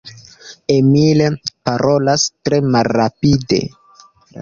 Emil parolas tre malrapide.